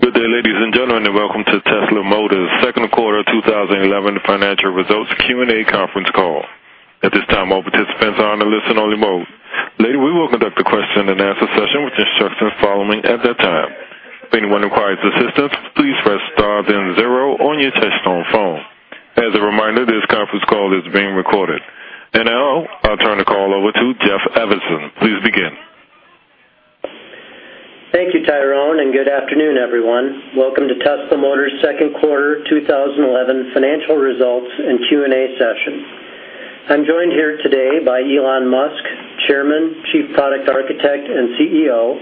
Good day, ladies and gentlemen. Welcome to Tesla Motors' Second Quarter 2011 Financial Results Q&A Conference Call. At this time, all participants are on the listen-only mode. Later, we will conduct a question and answer session with instructions following at that time. If anyone requires assistance, please press star then zero on your touch-tone phone. As a reminder, this conference call is being recorded. Now, I'll turn the call over to Jeff Evanson. Please begin. Thank you, Tyrone, and good afternoon, everyone. Welcome to Tesla Motors' Second Quarter 2011 Financial Results and Q&A Session. I'm joined here today by Elon Musk, Chairman, Chief Product Architect, and CEO,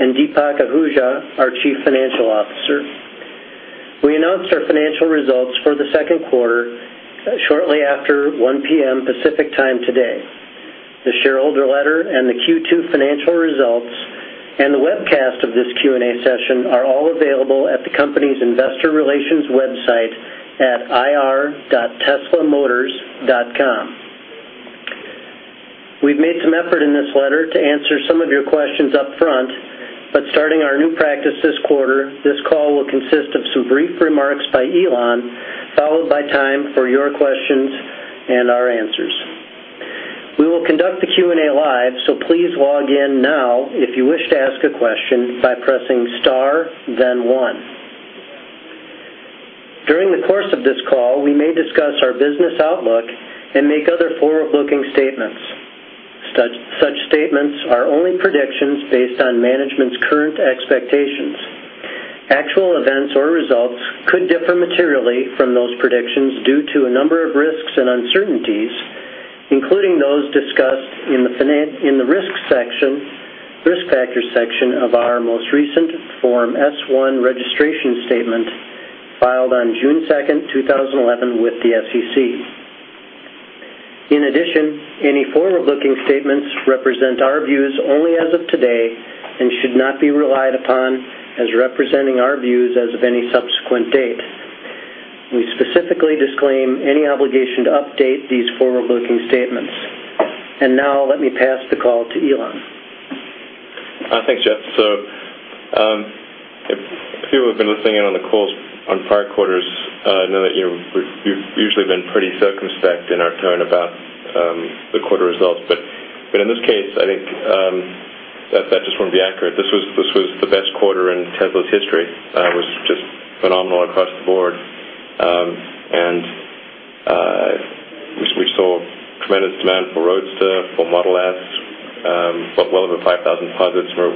and Deepak Ahuja, our Chief Financial Officer. We announced our financial results for the second quarter shortly after 1:00 P.M. Pacific time today. The shareholder letter and the Q2 financial results and the webcast of this Q&A session are all available at the company's investor relations website at ir.teslamotors.com. We've made some effort in this letter to answer some of your questions up front. Starting our new practice this quarter, this call will consist of some brief remarks by Elon, followed by time for your questions and our answers. We will conduct the Q&A live, so please log in now if you wish to ask a question by pressing star then one. During the course of this call, we may discuss our business outlook and make other forward-looking statements. Such statements are only predictions based on management's current expectations. Actual events or results could differ materially from those predictions due to a number of risks and uncertainties, including those discussed in the risk factors section of our most recent Form S-1 registration statement filed on June 2nd, 2011, with the SEC. In addition, any forward-looking statements represent our views only as of today and should not be relied upon as representing our views as of any subsequent date. We specifically disclaim any obligation to update these forward-looking statements. Now, let me pass the call to Elon. Thanks, Jeff. I think we've been listening in on the calls on prior quarters. I know that you've usually been pretty circumspect in our tone about the quarter results, but in this case, I think that just wouldn't be accurate. This was the best quarter in Tesla's history. It was just phenomenal across the board, and we saw tremendous demand for Roadster and Model S, with well over 5,000 deposits. We're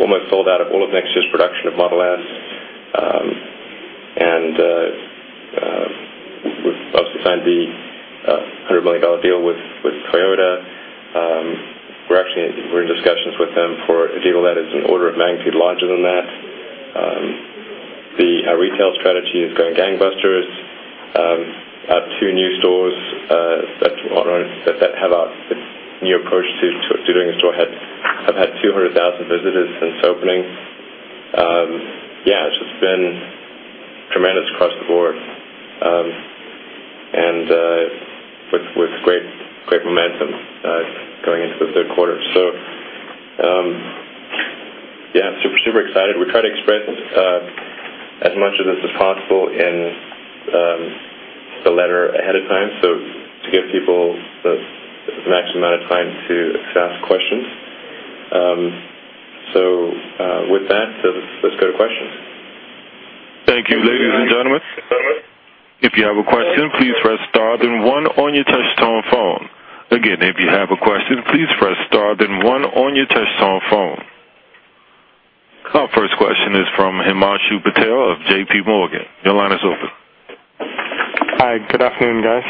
almost sold out of all of next year's production of Model S. We've obviously signed the $100 million deal with Toyota. We're in discussions with them for a deal that is an order of magnitude larger than that. Our retail strategy is going gangbusters. Our two new stores that have a new approach to doing a store have had 200,000 visitors since opening. It's been tremendous across the board and with great momentum going into the third quarter. I'm super, super excited. We try to express as much of this as possible in the letter ahead of time to give people an actual amount of time to ask questions. With that, let's go to questions. Thank you, ladies and gentlemen. If you have a question, please press star then one on your touch-tone phone. Again, if you have a question, please press star then one on your touch-tone phone. Our first question is from Himanshu Patel of JPMorgan. Your line is open. Hi, good afternoon, guys.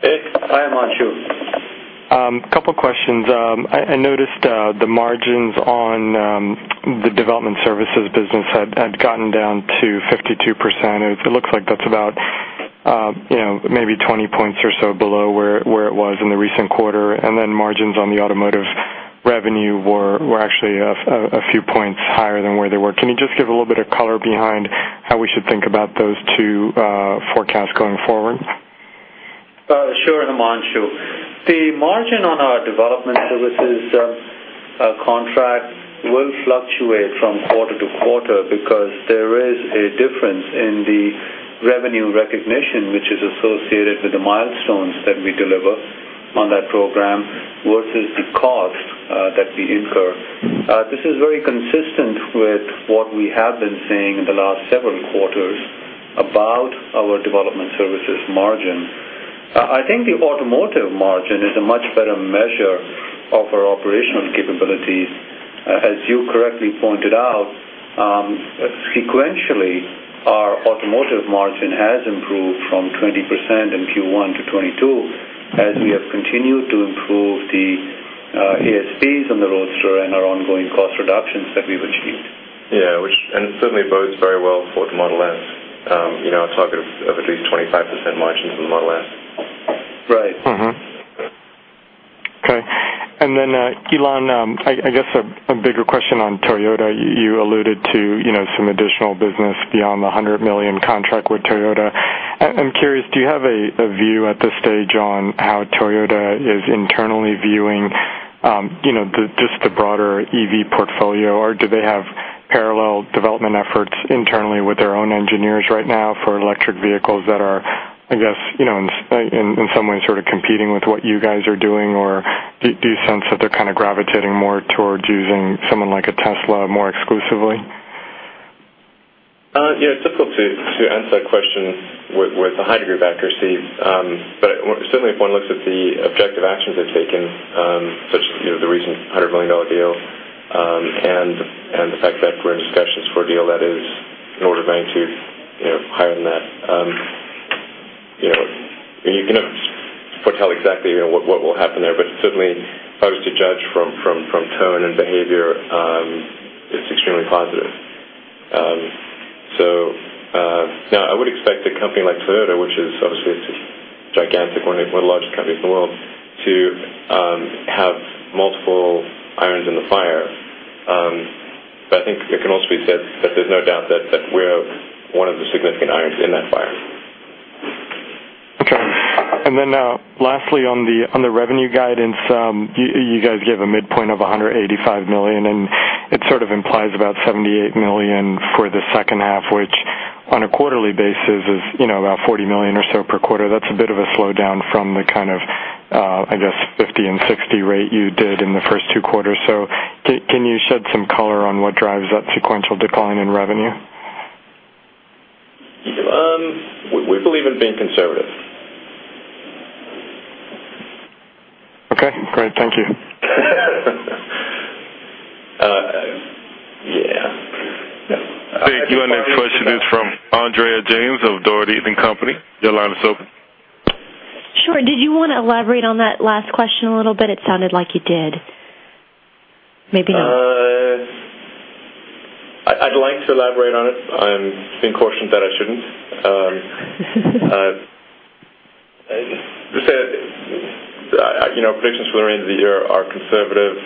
Hey. Hi, Himanshu. A couple of questions. I noticed the margins on the development services business had gotten down to 52%. It looks like that's about, you know, maybe 20 points or so below where it was in the recent quarter. Margins on the automotive revenue were actually a few points higher than where they were. Can you just give a little bit of color behind how we should think about those two forecasts going forward? Sure, Himanshu. The margin on our development services contract will fluctuate from quarter to quarter because there is a difference in the revenue recognition, which is associated with the milestones that we deliver on that program, versus the cost that we incur. This is very consistent with what we have been seeing in the last several quarters about our development services margin. I think the automotive margin is a much better measure of our operational capabilities. As you correctly pointed out, sequentially, our automotive margin has improved from 20% in Q1 to 22% as we have continued to improve the ASPs on the Roadster and our ongoing cost reductions that we've achieved. Yeah, it certainly bodes very well for the Model S. You know, our target of at least 25% margins on the Model S. Right. Okay. Elon, I guess a bigger question on Toyota. You alluded to some additional business beyond the $100 million contract with Toyota. I'm curious, do you have a view at this stage on how Toyota is internally viewing just the broader EV portfolio, or do they have parallel development efforts internally with their own engineers right now for electric vehicles that are, I guess, in some ways sort of competing with what you guys are doing? Do you sense that they're kind of gravitating more towards using someone like a Tesla more exclusively? Yeah, it's difficult to answer that question with a high degree of accuracy, but certainly, if one looks at the objective actions they've taken, such as the recent $100 million deal and the fact that we're in discussions for a deal that is an order of magnitude higher than that, you can foretell exactly what will happen there. If I was to judge from tone and behavior, it's extremely positive. I would expect a company like Toyota, which is obviously a gigantic one, one of the largest companies in the world, to have multiple irons in the fire. I think it can also be said that there's no doubt that we're one of the significant irons in that fire. Okay. Lastly, on the revenue guidance, you guys gave a midpoint of $185 million, and it sort of implies about $78 million for the second half, which on a quarterly basis is about $40 million or so per quarter. That's a bit of a slowdown from the kind of, I guess, $50 million and $60 million rate you did in the first two quarters. Can you shed some color on what drives that sequential decline in revenue? We believe in being conservative. Okay, great. Thank you. Yeah. Thank you. Our next question is from Andrea James of Dougherty & Company. Your line is open. Sure. Did you want to elaborate on that last question a little bit? It sounded like you did. Maybe not. I'd like to elaborate on it. I'm being cautious that I shouldn't. I'll just say predictions for the remainder of the year are conservative.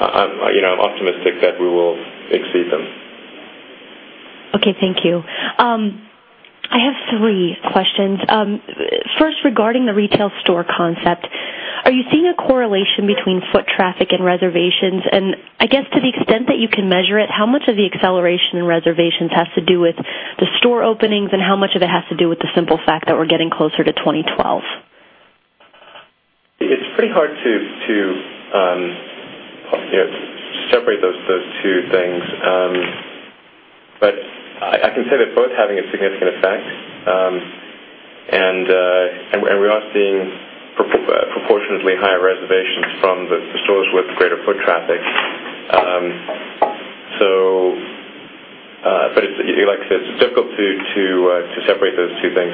I'm optimistic that we will exceed them. Okay, thank you. I have three questions. First, regarding the retail store concept, are you seeing a correlation between foot traffic and reservations? To the extent that you can measure it, how much of the acceleration in reservations has to do with the store openings and how much of it has to do with the simple fact that we're getting closer to 2012? It's pretty hard to separate those two things, but I can say they're both having a significant effect, and we are seeing proportionately higher reservations from the stores with greater foot traffic. Like I said, it's difficult to separate those two things.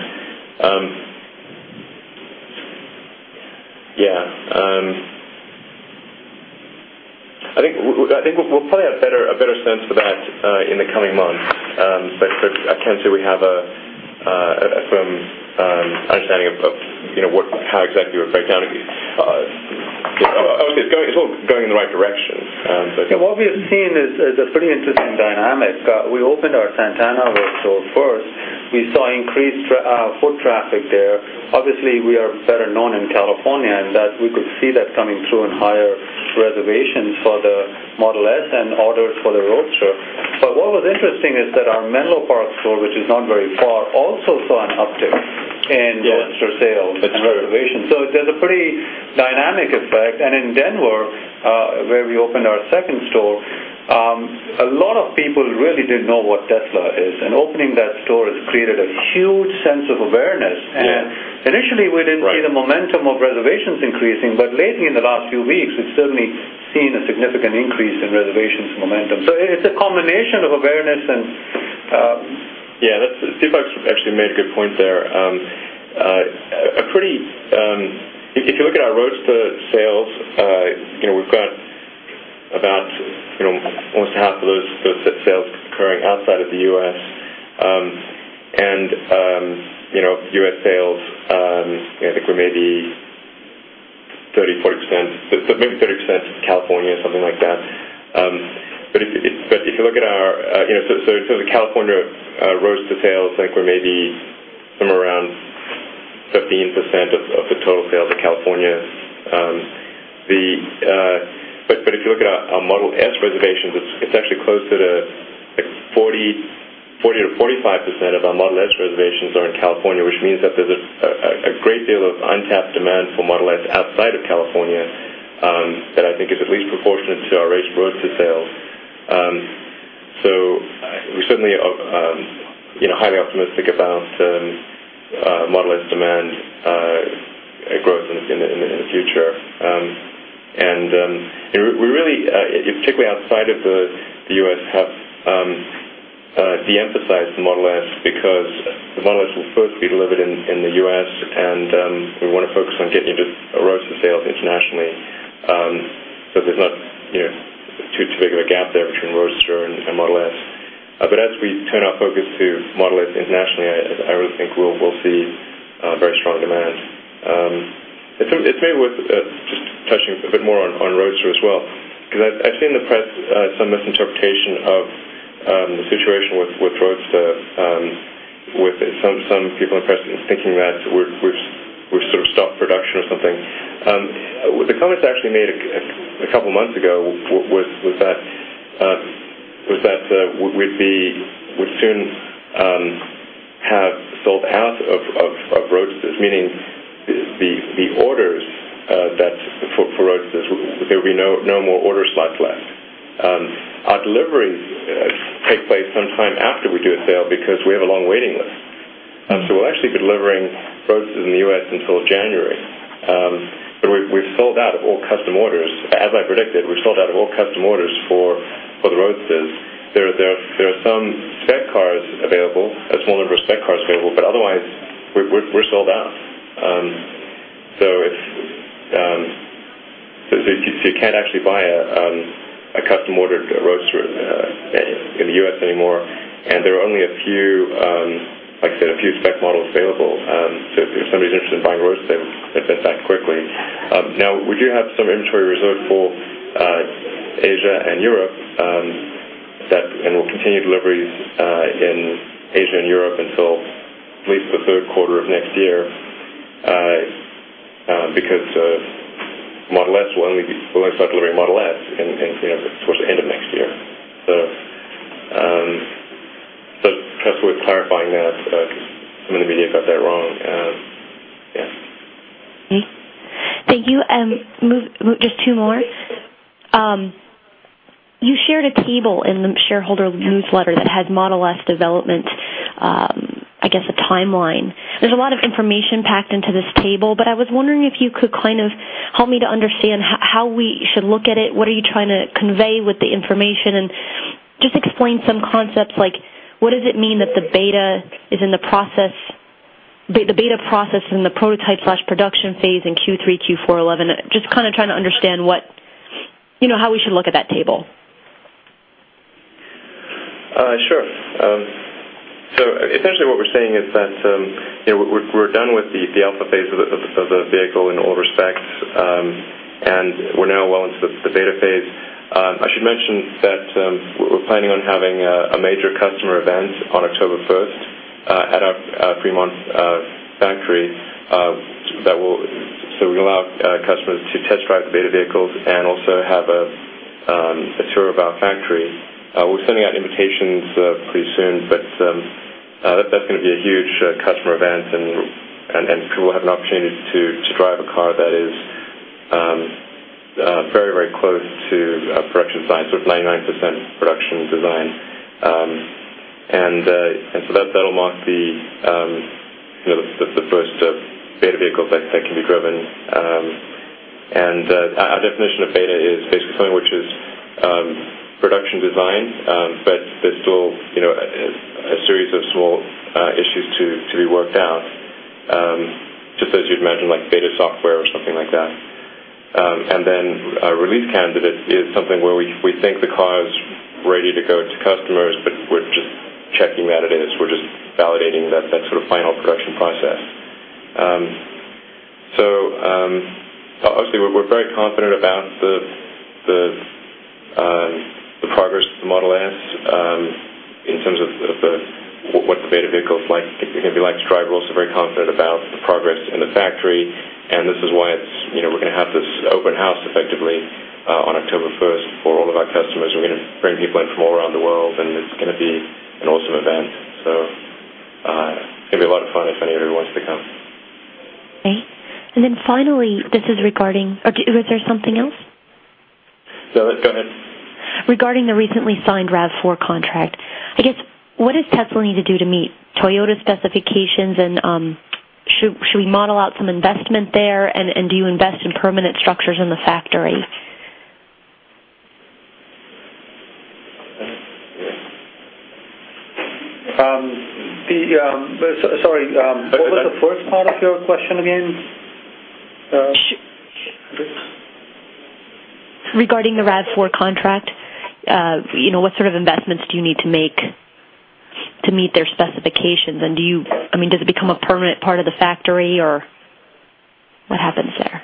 I think we'll probably have a better sense for that in the coming months. I can see we have an understanding of how exactly we're breaking down. It's all going in the right direction. Yeah, what we have seen is a pretty interesting dynamic. We opened our Santana Row store first. We saw increased foot traffic there. Obviously, we are better known in California in that we could see that coming through in higher reservations for the Model S and orders for the Roadster. What was interesting is that our Menlo Park store, which is not very far, also saw an uptick in Roadster sales and reservations. There is a pretty dynamic effect. In Denver, where we opened our second store, a lot of people really didn't know what Tesla is, and opening that store has created a huge sense of awareness. Initially, we didn't see the momentum of reservations increasing, but lately, in the last few weeks, we've certainly seen a significant increase in reservations momentum. It's a combination of awareness and. Yeah, Deepak actually made a good point there. If you look at our Roadster sales, we've got about almost half of those sales occurring outside of the U.S., and U.S. sales, I think we're maybe 30%, 40%, maybe 30% in California, something like that. If you look at our, so the California Roadster sales, I think we're maybe somewhere around 15% of the total sales in California. If you look at our Model S reservations, it's actually closer to 40% or 45% of our Model S reservations are in California, which means that there's a great deal of untapped demand for Model S outside of California that I think is at least proportionate to our Roadster sales. We're certainly highly optimistic about Model S demand growth in the future. We really, particularly outside of the U.S., have deemphasized the Model S because the Model S will first be delivered in the U.S., and we want to focus on getting into Roadster sales internationally. There's not too big of a gap there between Roadster and Model S. As we turn our focus to Model S internationally, I think we'll see very strong demand. It's maybe worth touching a bit more on Roadster as well because I've seen in the press some misinterpretation of the situation with Roadster, with some people in the press thinking that we've sort of stopped production or something. The comments actually made a couple of months ago were that we'd soon have sold out of Roadsters, meaning the orders for Roadsters, there would be no more order spots left. Our delivering takes place sometime after we do a sale because we have a long waiting list. We'll actually be delivering Roadsters in the U.S. until January. We've sold out of all custom orders. As I predicted, we've sold out of all custom orders for the Roadsters. There are some spare cars available, a small number of spare cars available, but otherwise, we're sold out. You can't actually buy a custom-ordered Roadster in the U.S. anymore, and there are only a few, like I said, a few spec models available. If somebody's interested in buying Roadster, they can get that quickly. We do have some inventory reserved for Asia and Europe, and we'll continue deliveries in Asia and Europe until at least the third quarter of next year because Model S will only start delivering Model S towards the end of next year. Perhaps worth clarifying that. Some of the media got that wrong. Can you move just two more? You shared a table in the shareholder newsletter that had Model S development, I guess, a timeline. There's a lot of information packed into this table, but I was wondering if you could kind of help me to understand how we should look at it. What are you trying to convey with the information? Just explain some concepts like what does it mean that the beta is in the process, the beta process in the prototype/production phase in Q3, Q4, 2011? Just kind of trying to understand how we should look at that table. Sure. Essentially, what we're saying is that we're done with the alpha phase of the vehicle in all respects, and we're now well into the beta phase. I should mention that we're planning on having a major customer event on October 1st at our Fremont factory that will allow customers to test drive the beta vehicles and also have a tour of our factory. We're sending out invitations pretty soon, but that's going to be a huge customer event, and people will have an opportunity to drive a car that is very, very close to our production design, sort of 99% production design. That'll mark the first beta vehicle that can be driven. Our definition of beta is basically something which is production design, but there's still a series of small issues to be worked out, just as you'd imagine, like beta software or something like that. Our release candidate is something where we think the car is ready to go to customers, but we're just checking that it is. We're just validating that final production process. We're very confident about the progress of the Model S in terms of what the beta vehicle is like. It's going to be like stride. We're also very confident about the progress in the factory, and this is why we're going to have this open house effectively on October 1st for all of our customers. We're going to bring people in from all around the world, and it's going to be an awesome event. It'll be a lot of fun if anyone wants to come. Okay. Finally, this is regarding—was there something else? Sure, go ahead. Regarding the recently signed RAV4 EV contract, I guess, what does Tesla need to do to meet Toyota specifications? Should we model out some investment there, and do you invest in permanent structures in the factory? Sorry, what was the first part of your question again? Regarding the RAV4 contract, what sort of investments do you need to make to meet their specifications? Do you, I mean, does it become a permanent part of the factory, or what happens there?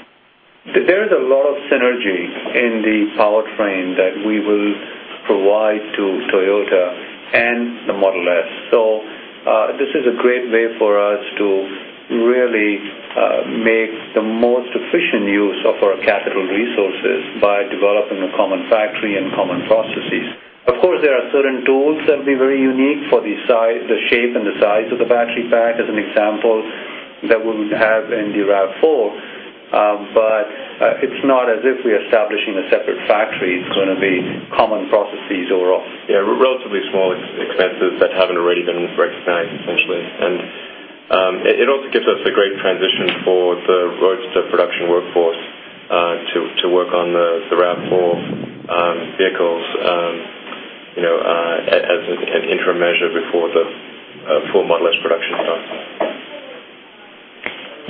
There is a lot of synergy in the powertrain that we will provide to Toyota and the Model S. This is a great way for us to really make the most efficient use of our capital resources by developing a common factory and common processes. Of course, there are certain tools that will be very unique for the shape and the size of the battery pack, as an example, that we'll have in the RAV4. It's not as if we're establishing a separate factory. It's going to be common processes overall. Yeah, relatively small expenses that haven't already been recognized, essentially. It also gives us a great transition for the Roadster production workforce to work on the RAV4 vehicles as an interim measure before the full Model S production is done.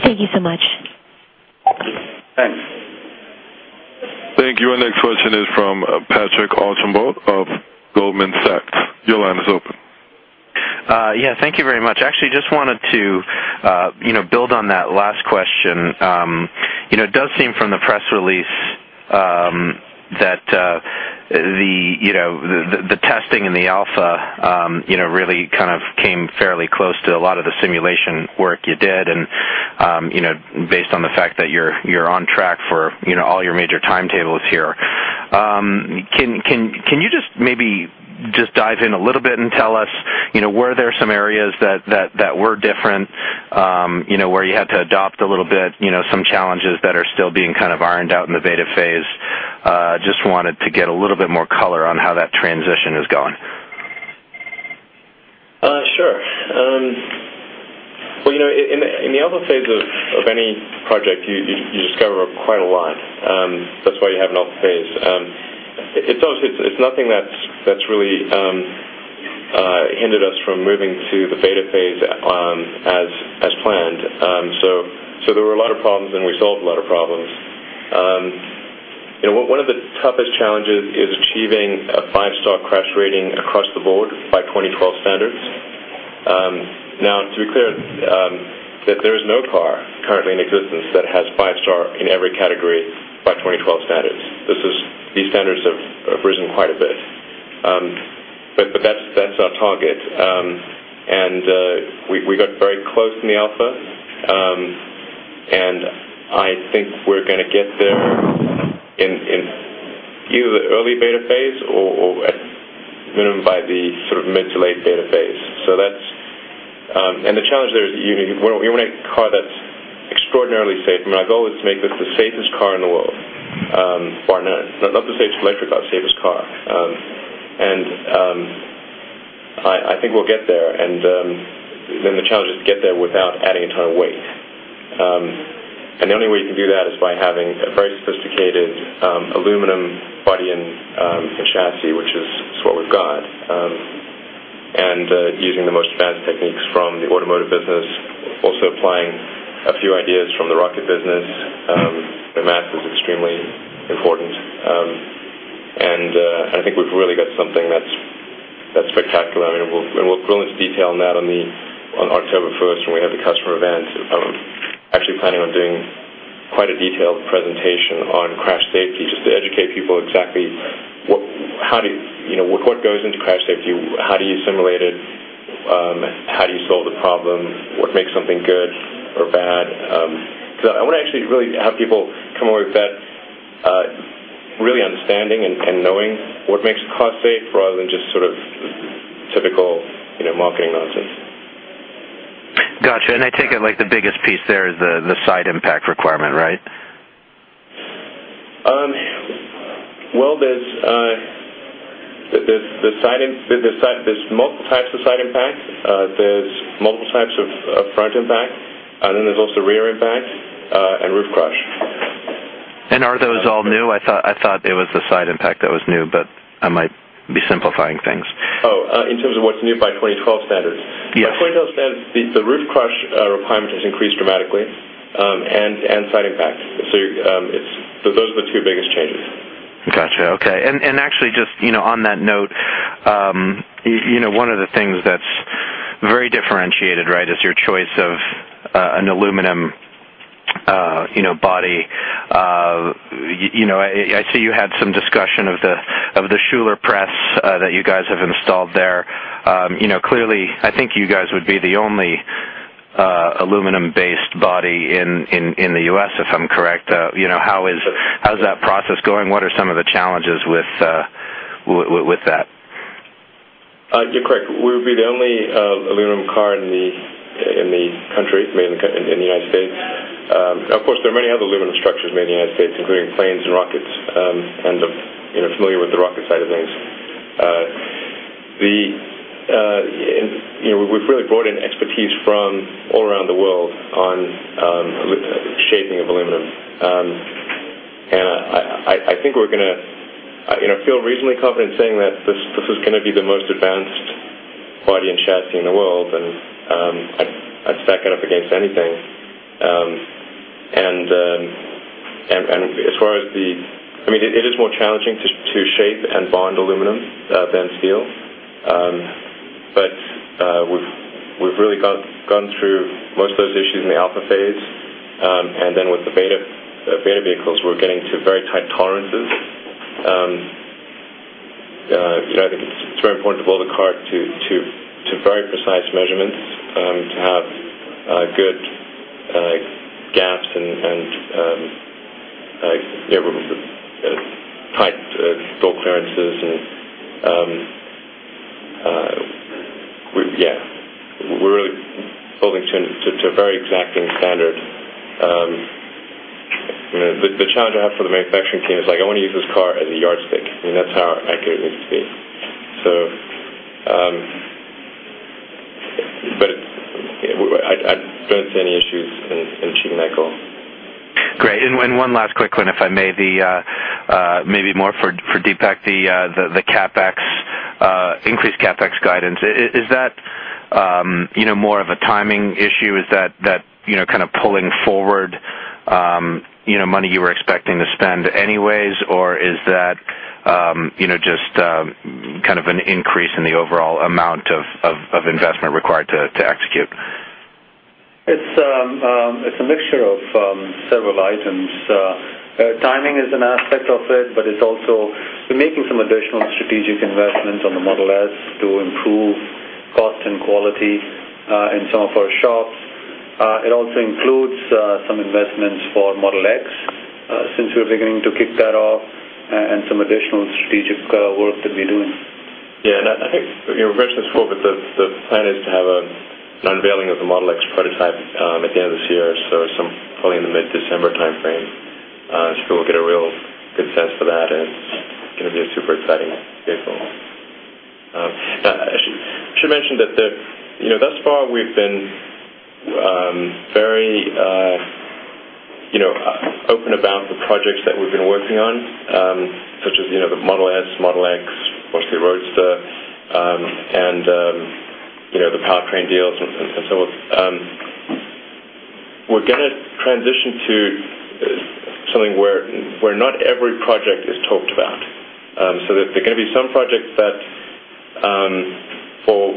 Thank you so much. Thank you. Our next question is from Patrick Archambault of Goldman Sachs. Your line is open. Thank you very much. I just wanted to build on that last question. It does seem from the press release that the testing in the alpha really kind of came fairly close to a lot of the simulation work you did, and based on the fact that you're on track for all your major timetables here, can you just maybe dive in a little bit and tell us, were there some areas that were different, where you had to adapt a little bit, some challenges that are still being kind of ironed out in the beta phase? I just wanted to get a little bit more color on how that transition is going. Sure. In the alpha phase of any project, you discover quite a lot. That's why you have an alpha phase. It's nothing that's really hindered us from moving to the beta phase as planned. There were a lot of problems, and we solved a lot of problems. One of the toughest challenges is achieving a five-star crash rating across the board by 2012 standards. To be clear, there is no car currently in existence that has five-star in every category by 2012 standards. These standards have risen quite a bit. That's our target. We got very close in the alpha, and I think we're going to get there in either the early beta phase or at minimum by the sort of mid to late beta phase. The challenge there is you want a car that's extraordinarily safe. Our goal is to make this the safest car in the world, far none, not the safest electric car, the safest car. I think we'll get there. The challenge is to get there without adding a ton of weight. The only way you can do that is by having a very sophisticated aluminum body and chassis, which is what we've got, and using the most advanced techniques from the automotive business, also applying a few ideas from the rocket business. The math is extremely important. I think we've really got something that's spectacular. We'll go into detail on that on October 1st when we have the customer event. I'm actually planning on doing quite a detailed presentation on crash safety just to educate people exactly what goes into crash safety, how do you simulate it, how do you solve the problem, what makes something good or bad. I want to actually really have people come away with that really understanding and knowing what makes a car safe rather than just sort of typical marketing nonsense. Gotcha. I take it the biggest piece there is the side impact requirement, right? There are multiple types of side impact, multiple types of front impact, and then there's also rear impact and roof crash. Are those all new? I thought it was the side impact that was new, but I might be simplifying things. Oh, in terms of what's new by 2012 standards? Yes. By 2012 standards, the roof crash requirement has increased dramatically, and side impact. Those are the two biggest changes. Gotcha. Okay. Actually, just on that note, one of the things that's very differentiated, right, is your choice of an aluminum body. I see you had some discussion of the Schuler press that you guys have installed there. Clearly, I think you guys would be the only aluminum-based body in the U.S., if I'm correct. How is that process going? What are some of the challenges with that? You're correct. We would be the only aluminum car in the country, made in the United States. Of course, there are many other aluminum structures made in the United States, including planes and rockets. I'm kind of familiar with the rocket side of things. We've really brought in expertise from all around the world on the shaping of aluminum. I think we're going to, I feel reasonably confident in saying that this is going to be the most advanced body and chassis in the world, and it's not going to be against anything. As far as the, I mean, it is more challenging to shape and bond aluminum than steel, but we've really gone through most of those issues in the alpha phase. With the beta vehicles, we're getting to very tight tolerances. It's very important to build a car to very precise measurements, to have good gaps and tight door clearances. Yeah, we're really holding to a very exacting standard. The challenge I have for the manufacturing team is like, "I want to use this car as a yardstick." I mean, that's how accurate it needs to be. I don't see any issues in achieving that goal. Great. One last quick one, if I may, maybe more for Deepak, the increased CapEx guidance. Is that more of a timing issue? Is that kind of pulling forward money you were expecting to spend anyways, or is that just kind of an increase in the overall amount of investment required to execute? It's a mixture of several items. Timing is an aspect of it, but it's also making some additional strategic investments on the Model S to improve cost and quality in some of our shops. It also includes some investments for Model X since we're beginning to kick that off and some additional strategic work that we're doing. Yeah, and I think you mentioned this before, but the plan is to have an unveiling of the Model X prototype at the end of this year, probably in the mid-December timeframe. People will get a real good sense for that. It's going to be a super exciting vehicle. I should mention that thus far, we've been very open about the projects that we've been working on, such as the Model S, Model X, obviously Roadster, and the powertrain deals and so forth. We're going to transition to something where not every project is talked about. There are going to be some projects that, for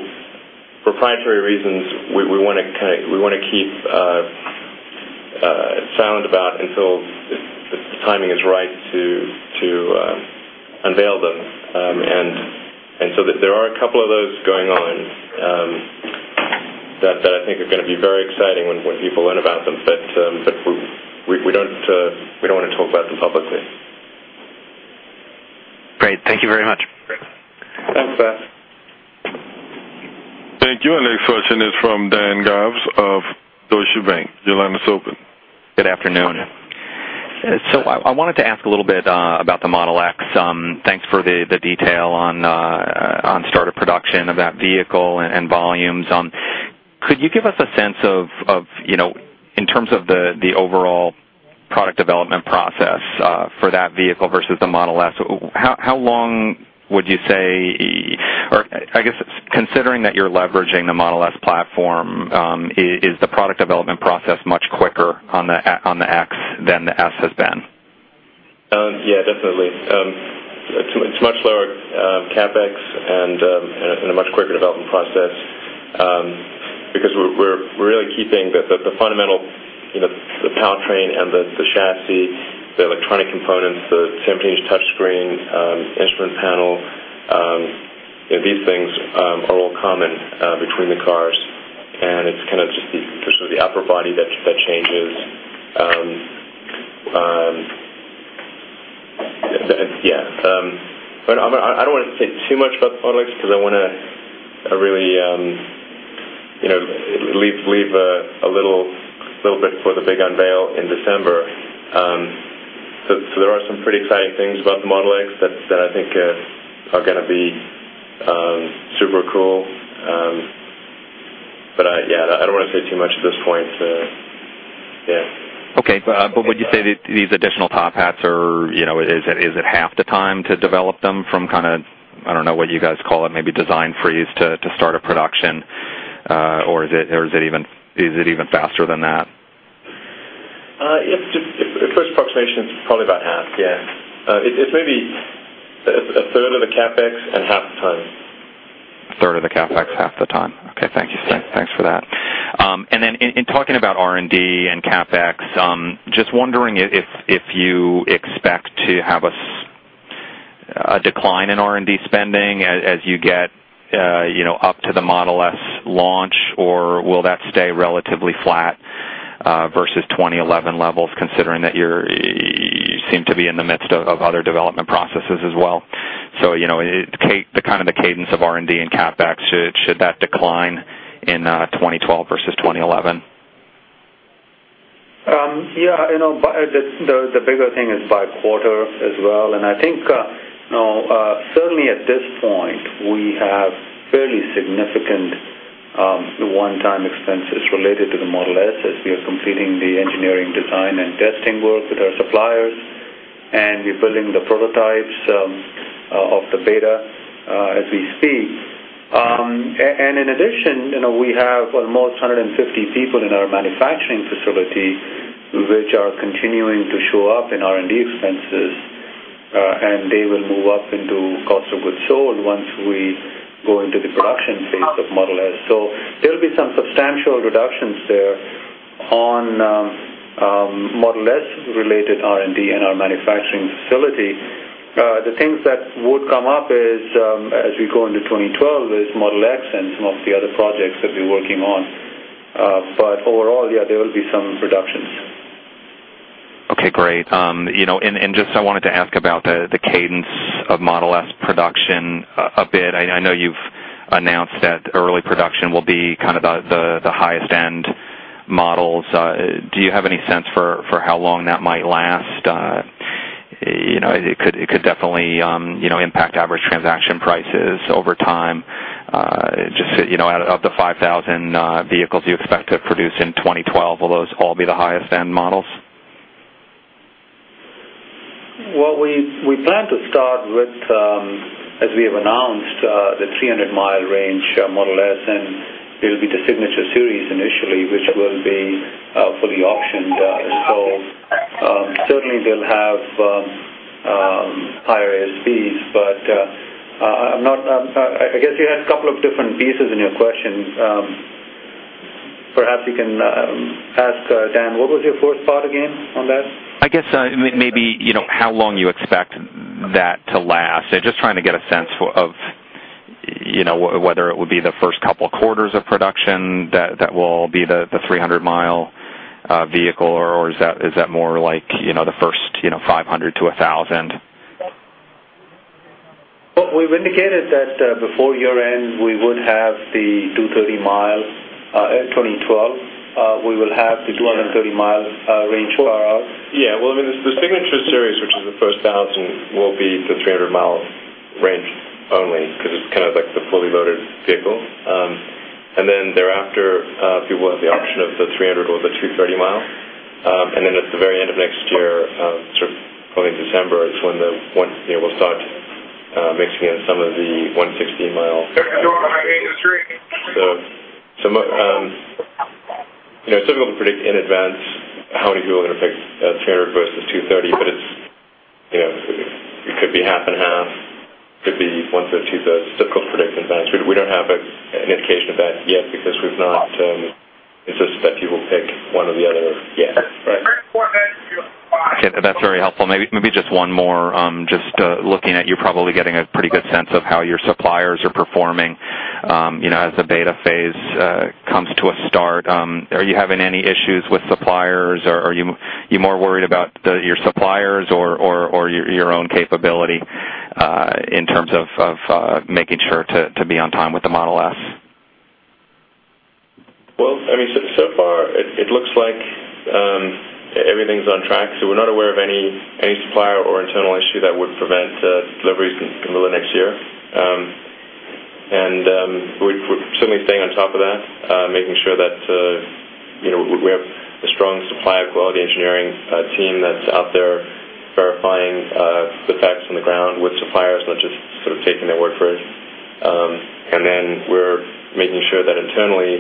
proprietary reasons, we want to keep silent about until the timing is right to unveil them. There are a couple of those going on that I think are going to be very exciting when people learn about them, but we don't want to talk about them publicly. Great, thank you very much. Thanks, Patrick. Thank you. Our next question is from Dan Goh of Deutsche Bank. Your line is open. Good afternoon. I wanted to ask a little bit about the Model X. Thanks for the detail on start of production of that vehicle and volumes. Could you give us a sense of, in terms of the overall product development process for that vehicle versus the Model S, how long would you say, or considering that you're leveraging the Model S platform, is the product development process much quicker on the X than the S has been? Yeah, definitely. It's much slower CapEx and a much quicker development process because we're really keeping the fundamental, you know, the powertrain and the chassis, the electronic components, the 17 in touchscreen, instrument panel. These things are all common between the cars, and it's kind of just the upper body that changes. I don't want to say too much about the Model X because I want to really leave a little bit for the big unveil in December. There are some pretty exciting things about the Model X that I think are going to be super cool. I don't want to say too much at this point. Okay. Would you say that these additional top hats, or is it half the time to develop them from kind of, I don't know what you guys call it, maybe design freeze to start of production, or is it even faster than that? If it was an approximation, it's probably about half. Yeah, it's maybe a third of the CapEx and half the time. A third of the CapEx, half the time. Okay, thank you. Thanks for that. In talking about R&D and CapEx, just wondering if you expect to have a decline in R&D spending as you get up to the Model S launch, or will that stay relatively flat versus 2011 levels, considering that you seem to be in the midst of other development processes as well? The cadence of R&D and CapEx, should that decline in 2012 versus 2011? Yeah, you know, the bigger thing is by quarter as well. I think, you know, certainly at this point, we have fairly significant one-time expenses related to the Model S as we are completing the engineering, design, and testing work with our suppliers, and we're building the prototypes of the beta as we speak. In addition, you know, we have almost 150 people in our manufacturing facility which are continuing to show up in R&D expenses, and they will move up into cost of goods sold once we go into the production phase with Model S. There'll be some substantial reductions there on Model S-related R&D in our manufacturing facility. The things that would come up as we go into 2012 are Model X and some of the other projects that we're working on. Overall, yeah, there will be some reductions. Okay, great. I wanted to ask about the cadence of Model S production a bit. I know you've announced that early production will be kind of the highest-end models. Do you have any sense for how long that might last? It could definitely impact average transaction prices over time. Out of the 5,000 vehicles you expect to produce in 2012, will those all be the highest-end models? We plan to start with, as we have announced, the 300 mi range Model S, and it'll be the Signature Series initially, which will be fully auctioned. Certainly, they'll have higher ASPs, but I guess you had a couple of different pieces in your question. Perhaps you can ask, Dan, what was your fourth thought again on that? I guess maybe how long you expect that to last. Just trying to get a sense of whether it would be the first couple of quarters of production that will be the 300 mi vehicle, or is that more like the first 500 to 1,000? We've indicated that before year-end, we would have the 230 mi in 2012. We will have the 230 mi range for ours. Yeah, the signature series, which is the first 1,000, will be the 300 mi range only because it's kind of like the fully loaded vehicle. Thereafter, people have the option of the 300 mi or the 230 mi. At the very end of next year, sort of going into December, is when we'll start mixing in some of the 160 mi. It is difficult to predict in advance how many people are going to pick 300 mi versus 230 mi, but it could be 1/2 and 1/2. It could be 1/3, 2/3. It is difficult to predict in advance. We do not have an indication of that yet because we have not insisted that people picked one or the other yet. Okay, that's very helpful. Maybe just one more, just looking at you're probably getting a pretty good sense of how your suppliers are performing as the beta phase comes to a start. Are you having any issues with suppliers, or are you more worried about your suppliers or your own capability in terms of making sure to be on time with the Model S? So far, it looks like everything's on track. We're not aware of any supplier or internal issue that would prevent deliveries in the middle of next year. We're certainly staying on top of that, making sure that we have a strong supplier quality engineering team that's out there verifying the facts on the ground with suppliers, not just sort of taking their word for it. We're making sure that internally,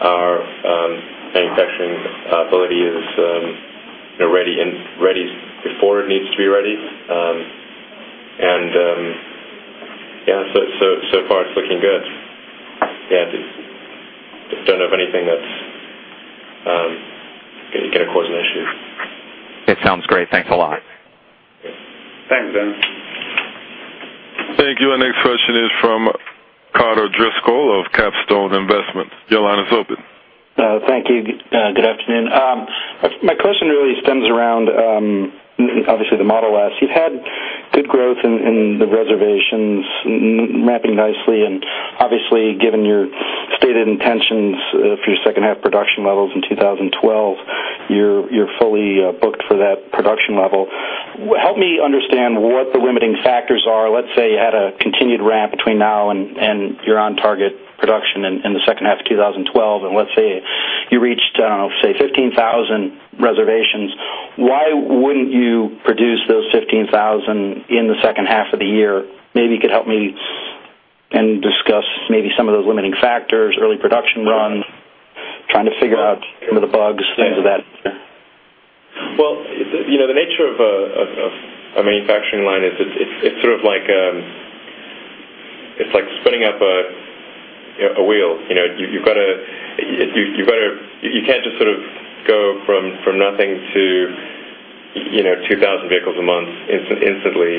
our manufacturing ability is ready before it needs to be ready. So far, it's looking good. I don't have anything that's going to cause an issue. That sounds great. Thanks a lot. Thanks, Dan. Thank you. Our next question is from Carter Driscoll of Capstone Investments. Your line is open. Thank you. Good afternoon. My question really stems around, obviously, the Model S. You've had good growth in the reservations, ramping nicely. Obviously, given your stated intentions for your second half production levels in 2012, you're fully booked for that production level. Help me understand what the limiting factors are. Let's say you had a continued ramp between now and your on-target production in the second half of 2012, and let's say you reached, I don't know, say 15,000 reservations. Why wouldn't you produce those 15,000 in the second half of the year? Maybe you could help me and discuss maybe some of those limiting factors, early production run, trying to figure out some of the bugs, things of that nature. The nature of a manufacturing line is it's sort of like spinning up a wheel. You can't just sort of go from nothing to 2,000 vehicles a month instantly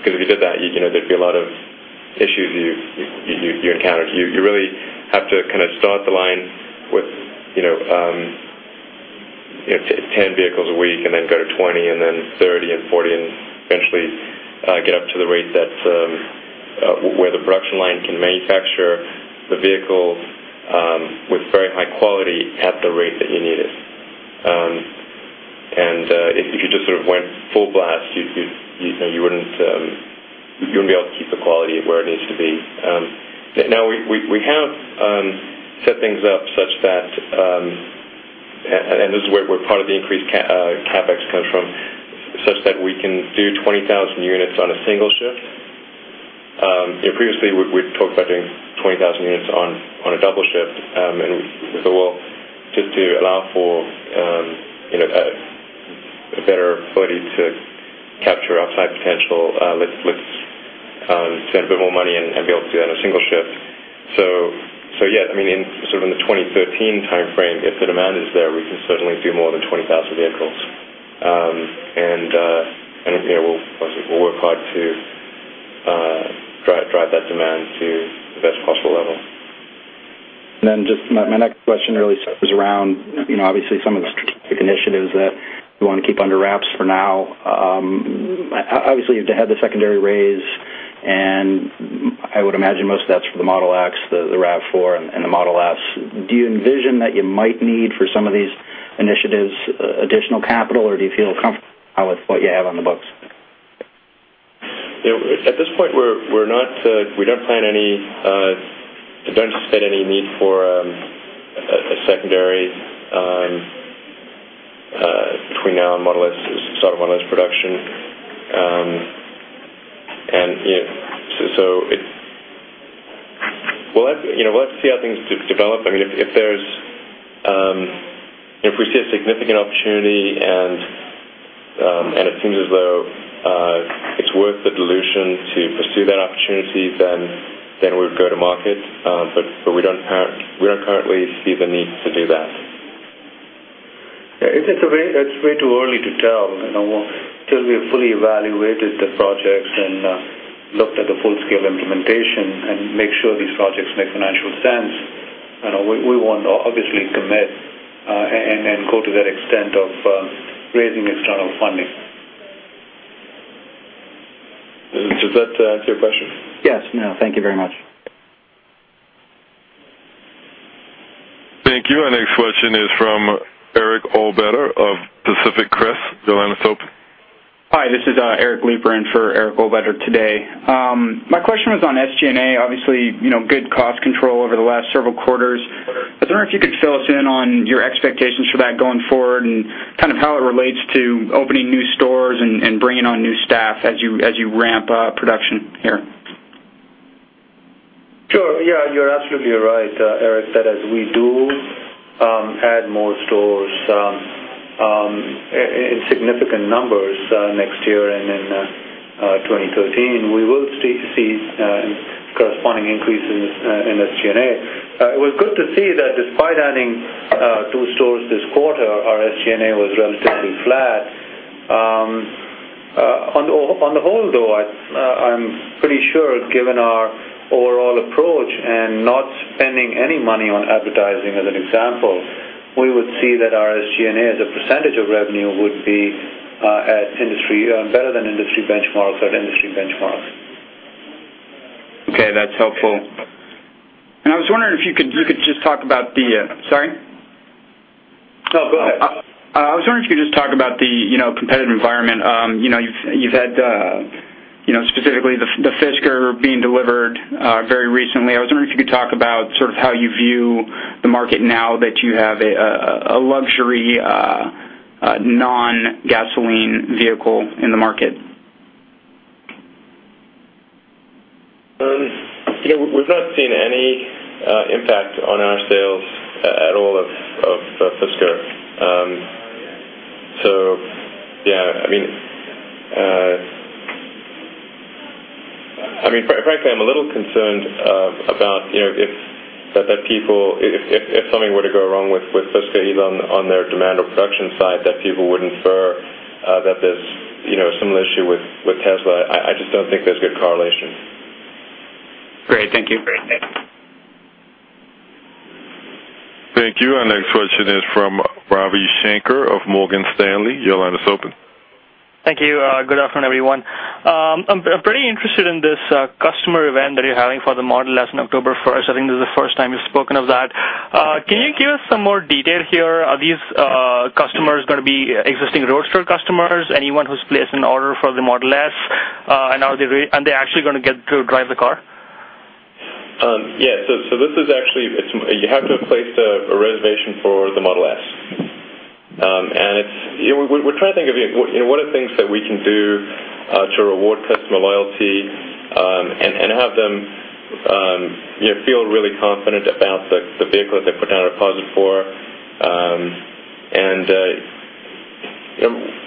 because if you did that, there'd be a lot of issues you encountered. You really have to kind of start the line with 10 vehicles a week and then go to 20 and then 30 and 40 and eventually get up to the rate that's where the production line can manufacture the vehicle with very high quality at the rate that you need it. If you just sort of went full blast, you wouldn't be able to keep the quality where it needs to be. Now, we have set things up such that, and this is where part of the increased CapEx comes from, such that we can do 20,000 units on a single shift. Previously, we talked about doing 20,000 units on a double shift, and we thought, just to allow for a better footing to capture our site potential, let's spend a bit more money and be able to do that on a single shift. In the 2013 timeframe, if the demand is there, we can certainly do more than 20,000 vehicles. We'll work hard to drive that demand to the best possible level. My next question really circles around, you know, obviously, some of the initiatives that we want to keep under wraps for now. Obviously, you've had the secondary raise, and I would imagine most of that's for the Model X, the RAV4, and the Model S. Do you envision that you might need for some of these initiatives additional capital, or do you feel comfortable with what you have on the books? At this point, we don't plan any, I don't anticipate any need for a secondary between now and Model S, start of Model S production. Let's see how things develop. If there's, you know, if we see a significant opportunity and it seems as though it's worth the dilution to pursue that opportunity, then we'll go to market. We don't currently see the need to do that. Yeah, it's way too early to tell. Until we have fully evaluated the projects and looked at the full-scale implementation and make sure these projects make financial sense, we won't obviously commit and then go to that extent of raising external funding. Does that answer your question? Yes, no, thank you very much. Thank you. Our next question is from Eric Olbetter of Pacific Crest. Your line is open. Hi, this is Eric Leeper for Eric Olbetter today. My question was on SG&A. Obviously, you know, good cost control over the last several quarters. I was wondering if you could fill us in on your expectations for that going forward and kind of how it relates to opening new stores and bringing on new staff as you ramp up production here. Sure. Yeah, you're absolutely right, Eric, that as we do add more stores in significant numbers next year and in 2013, we will see corresponding increases in SG&A. It was good to see that despite adding two stores this quarter, our SG&A was relatively flat. On the whole, though, I'm pretty sure given our overall approach and not spending any money on advertising as an example, we would see that our SG&A as a percentage of revenue would be at industry, better than industry benchmarks or industry benchmarks. Okay, that's helpful. I was wondering if you could just talk about the, sorry? No, go ahead. I was wondering if you could just talk about the competitive environment. You've had specifically the Fisker being delivered very recently. I was wondering if you could talk about sort of how you view the market now that you have a luxury non-gasoline vehicle in the market. We've not seen any impact on our sales at all of Fisker. Frankly, I'm a little concerned that if something were to go wrong with Fisker, even on their demand or production side, people would infer that there's a similar issue with Tesla. I just don't think there's a good correlation. Great. Thank you. Thank you. Our next question is from Ravi Shankar of Morgan Stanley. Your line is open. Thank you. Good afternoon, everyone. I'm pretty interested in this customer event that you're having for the Model S on October 1st. I think this is the first time you've spoken of that. Can you give us some more detail here? Are these customers going to be existing Roadster customers, anyone who's placed an order for the Model S, and are they actually going to get to drive the car? Yeah. This is actually, you have to have placed a reservation for the Model S. We're trying to think of what are things that we can do to reward customer loyalty and have them feel really confident about the vehicle that they put down a deposit for. I'm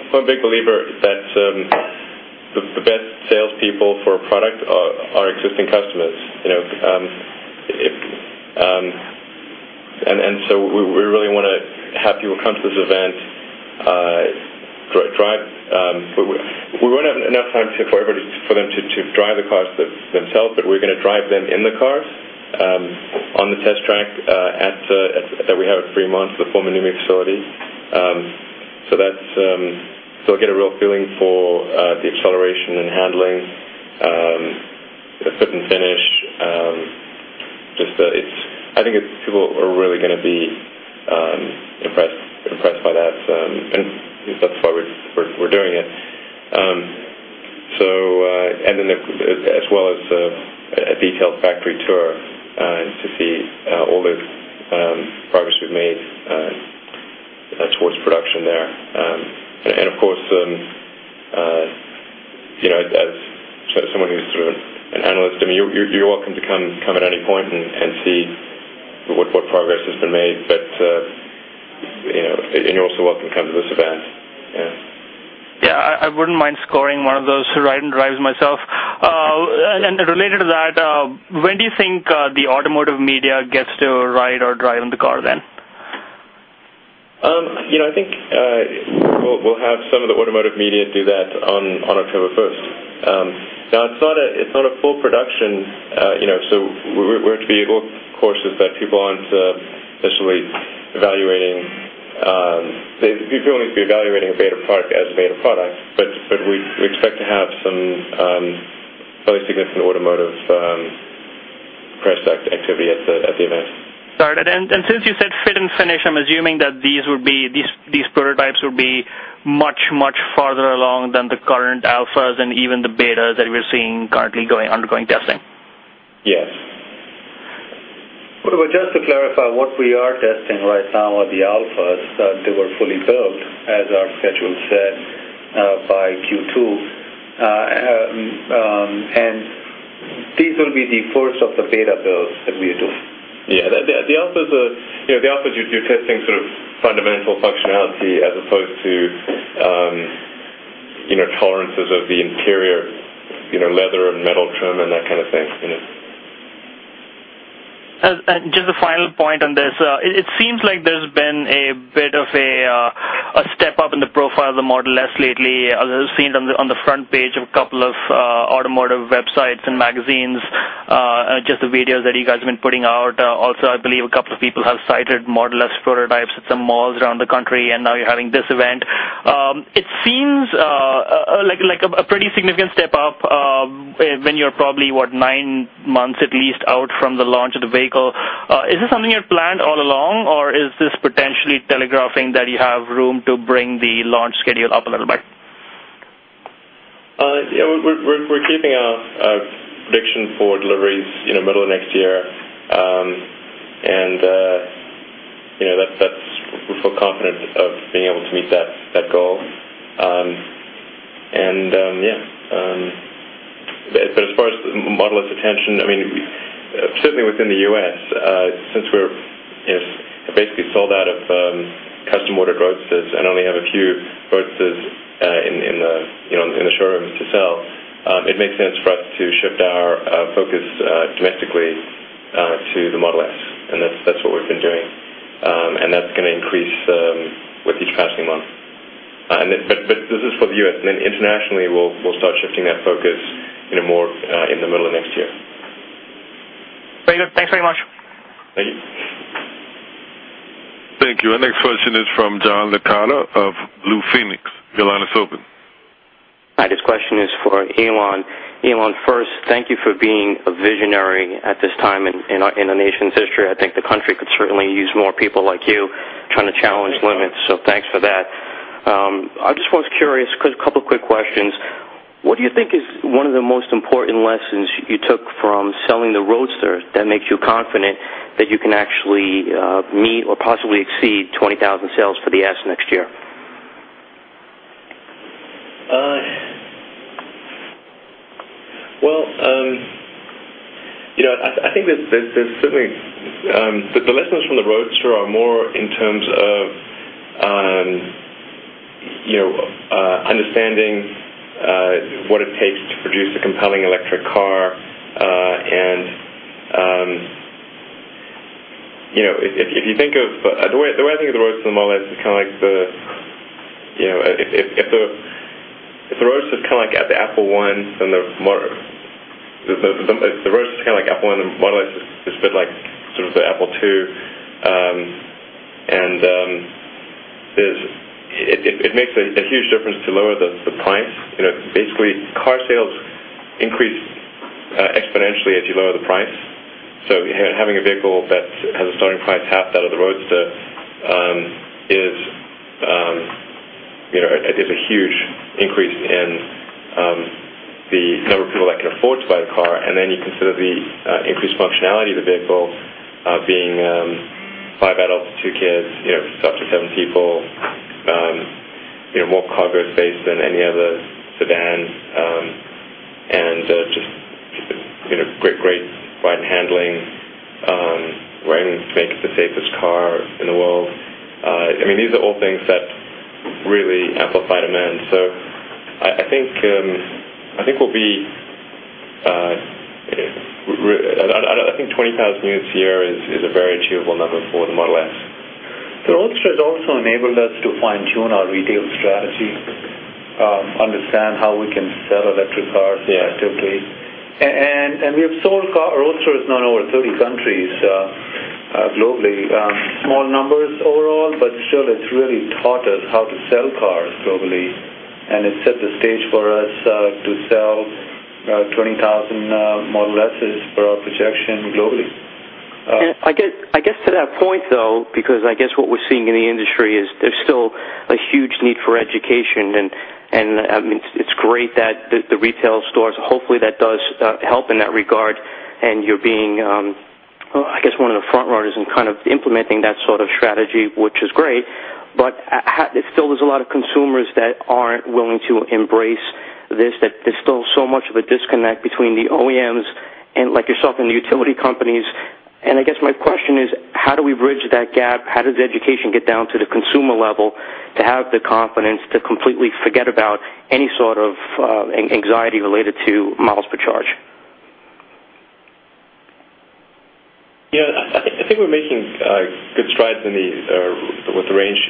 a big believer that the best salespeople for a product are existing customers. We really want to have people come to this event, drive. We won't have enough time for them to drive the cars themselves, but we're going to drive them in the cars on the test track that we have at Fremont, the former NUMMI facility. They'll get a real feeling for the acceleration and handling, the fit and finish. I think it's people who are really going to be impressed by that. That's why we're doing it, as well as a detailed factory tour to see all the progress we've made towards production there. Of course, as someone who's sort of an analyst, I mean, you're welcome to come at any point and see what progress has been made. You're also welcome to come to this event. Yeah, I wouldn't mind scoring one of those ride and drives myself. Related to that, when do you think the automotive media gets to ride or drive in the car then? I think we'll have some of the automotive media do that on October 1st. It's not a full production, so we're to be, of course, it's about two bonds, essentially evaluating. We'd be evaluating a beta product as a beta product, but we expect to have some fairly significant automotive press activity at the event. Sorry. Since you said fit and finish, I'm assuming that these prototypes would be much, much farther along than the current alphas and even the betas that we're seeing currently undergoing testing. Yes. To clarify, what we are testing right now are the alphas. They were fully filled, as our schedule said, by Q2. These will be the first of the beta builds that we do. Yeah, the alphas are you're testing sort of fundamental functionality as opposed to tolerances of the interior, you know, leather and metal trim and that kind of thing. Just a final point on this, it seems like there's been a bit of a step up in the profile of the Model S lately. I've seen it on the front page of a couple of automotive websites and magazines, just the videos that you guys have been putting out. I believe a couple of people have cited Model S prototypes at some malls around the country, and now you're having this event. It seems like a pretty significant step up when you're probably, what, nine months at least out from the launch of the vehicle. Is this something you had planned all along, or is this potentially telegraphing that you have room to bring the launch schedule up a little bit? Yeah, we're keeping our prediction for deliveries in the middle of next year, and that's, we feel confident of being able to meet that goal. As far as the Model S attention, I mean, certainly within the U.S., since we're basically sold out of custom-modeled Roadsters and only have a few Roadsters in the showrooms to sell, it makes sense for us to shift our focus domestically to the Model S. That's what we've been doing, and that's going to increase with each passing month. This is for the U.S., and then internationally, we'll start shifting that focus more in the middle of next year. Very good. Thanks very much. Thank you. Thank you. Our next question is from John Licata of Blue Phoenix. Your line is open. Hi, this question is for Elon. Elon, first, thank you for being a visionary at this time in our nation's history. I think the country could certainly use more people like you trying to challenge limits, so thanks for that. I just was curious, a couple of quick questions. What do you think is one of the most important lessons you took from selling the Roadster that makes you confident that you can actually meet or possibly exceed 20,000 sales for the Model S next year? I think that certainly the lessons from the Roadster are more in terms of understanding what it takes to produce a compelling electric car. If you think of the way I think of the Roadster and the Model S, it's kind of like, you know, if the Roadster is kind of like the Apple I, and the Model S is a bit like sort of the Apple II. It makes a huge difference to lower the price. Basically, car sales increase exponentially as you lower the price. Having a vehicle that has a starting price halved out of the Roadster is a huge increase in the number of people that can afford to buy the car. You consider the increased functionality of the vehicle being five adults, two kids, up to seven people, more cargo space than any other sedan, and just great ride and handling. We're able to make it the safest car in the world. I mean, these are all things that really amplify demand. I think 20,000 units a year is a very achievable number for the Model S. Roadster has also enabled us to fine-tune our retail strategy, understand how we can sell electric cars effectively. We've sold Roadsters in over 30 countries globally. Small numbers overall, but still, it's really taught us how to sell cars globally. It set the stage for us to sell 20,000 Model S per our projection globally. I guess to that point, because what we're seeing in the industry is there's still a huge need for education. I mean, it's great that the retail stores, hopefully, that does help in that regard. You're being, I guess, one of the front runners in kind of implementing that sort of strategy, which is great. Still, there's a lot of consumers that aren't willing to embrace this, that there's still so much of a disconnect between the OEMs and, like yourself, in the utility companies. My question is, how do we bridge that gap? How does education get down to the consumer level to have the confidence to completely forget about any sort of anxiety related to miles per charge? Yeah, I think we're making good strides in the range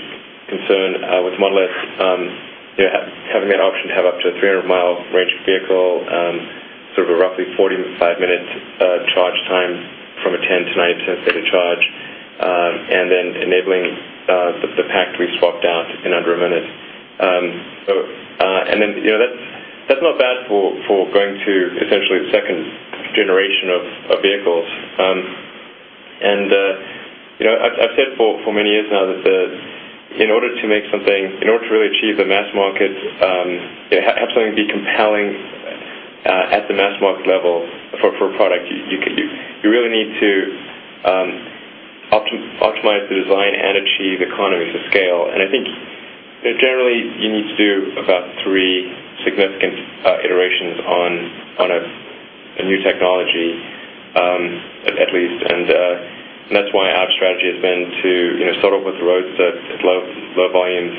concern with the Model S. Having the option to have up to a 300 mi range vehicle, sort of a roughly 45-minute charge time from a 10% to 90% state of charge, and then enabling the pack to be swapped out in under a minute. That's not bad for going to essentially the second generation of vehicles. I've said for many years now that in order to make something, in order to really achieve the mass market, have something be compelling at the mass market level for a product, you really need to optimize the design and achieve economies of scale. I think, generally, you need to do about three significant iterations on a new technology, at least. That's why our strategy has been to start off with the Roadster at low volumes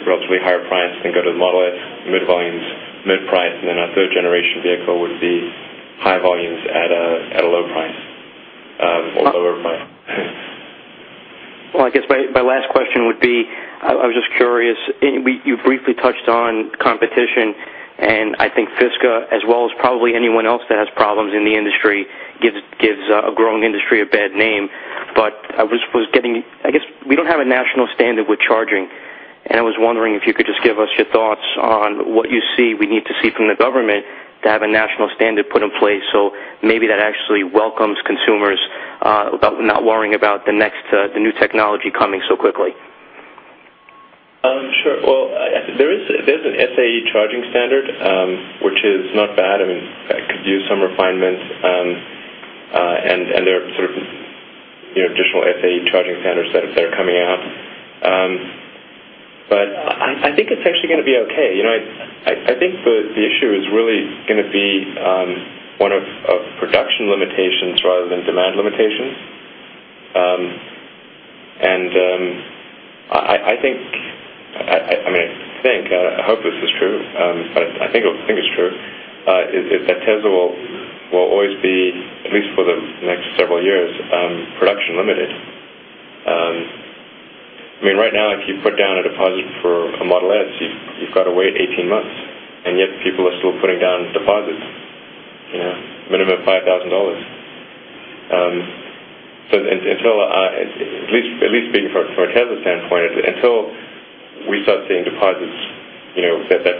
for relatively higher price and go to the Model S mid-volumes, mid-price. Our third-generation vehicle would be high volumes at a low price or lower price. I guess my last question would be, I was just curious. You briefly touched on competition, and I think Fisker, as well as probably anyone else that has problems in the industry, gives a growing industry a bad name. I was getting, I guess, we don't have a national standard with charging. I was wondering if you could just give us your thoughts on what you see we need to see from the government to have a national standard put in place so maybe that actually welcomes consumers about not worrying about the next new technology coming so quickly. Sure. There is an SAE charging standard, which is not bad. I mean, it could use some refinement, and there are sort of additional SAE charging standards that are coming out. I think it's actually going to be okay. I think the issue is really going to be one of production limitations rather than demand limitation. I think, I hope this is true, but I think it's true, is that Tesla will always be, at least for the next several years, production limited. Right now, if you put down a deposit for a Model S, you've got to wait 18 months. Yet, people are still putting down deposits, a minimum of $5,000. At least speaking from a Tesla standpoint, until we start seeing deposits, that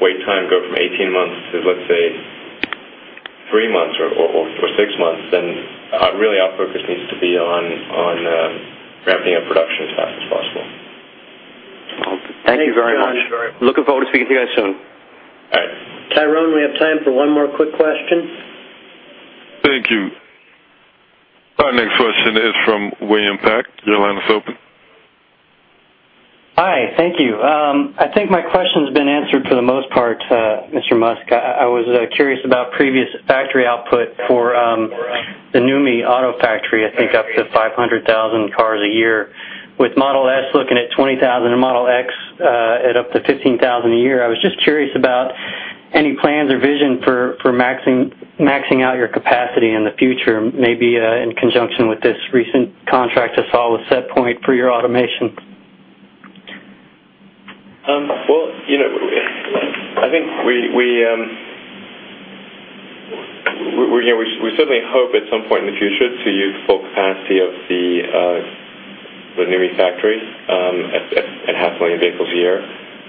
wait time go from 18 months to, let's say, three months or six months, then really, our focus needs to be on ramping up production as fast as possible. Thank you very much. Looking forward to speaking to you guys soon. All right. Tyrone, we have time for one more quick question. Thank you. Our next question is from William Peck. Your line is open. Hi, thank you. I think my question's been answered for the most part, Mr. Musk. I was curious about previous factory output for the NUMMI auto factory, I think up to 500,000 cars a year, with Model S looking at 20,000 and Model X at up to 15,000 a year. I was just curious about any plans or vision for maxing out your capacity in the future, maybe in conjunction with this recent contract I saw with SetPoint for your automation. I think we certainly hope at some point in the future to use full capacity of the NUMMI factory at 500,000 vehicles a year.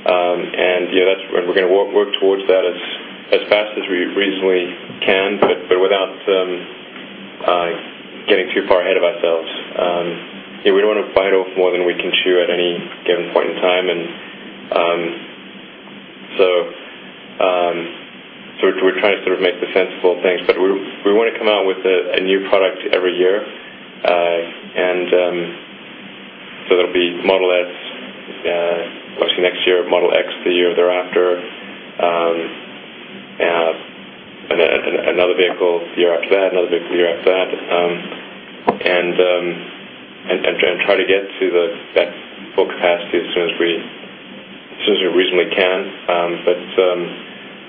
That's when we're going to work towards that as fast as we reasonably can, but without getting too far ahead of ourselves. We don't want to bite off more than we can chew at any given point in time. We're trying to sort of make the sense of all things, but we want to come out with a new product every year. There'll be Model S, obviously, next year, Model X the year thereafter, and then another vehicle the year after that, another vehicle the year after that, and try to get to that full capacity as soon as we reasonably can,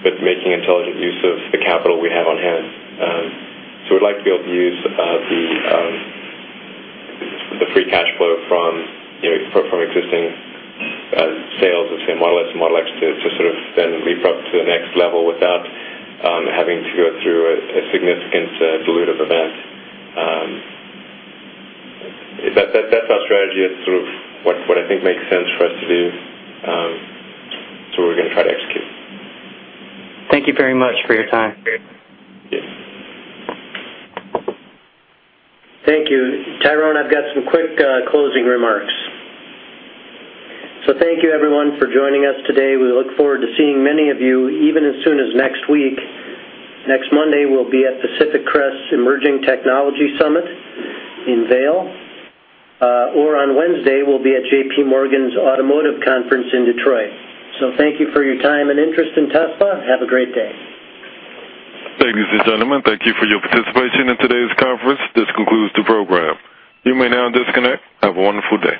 but making intelligent use of the capital we have on hand. We'd like to be able to use the free cash flow from existing sales of, say, Model S and Model X to sort of then leap up to the next level without having to go through a significant dilutive event. That's our strategy. It's sort of what I think makes sense for us to do. We're going to try to execute. Thank you very much for your time. Thank you. Tyrone, I've got some quick closing remarks. Thank you, everyone, for joining us today. We look forward to seeing many of you even as soon as next week. Next Monday, we'll be at Pacific Crest's Emerging Technology Summit in Vail. On Wednesday, we'll be at JPMorgan's Automotive Conference in Detroit. Thank you for your time and interest in Tesla. Have a great day. Thank you, sir. Gentlemen, thank you for your participation in today's conference. This concludes the program. You may now disconnect. Have a wonderful day.